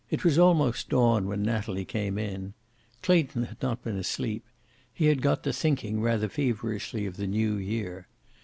It was almost dawn when Natalie came in. Clayton had not been asleep. He had got to thinking rather feverishly of the New year.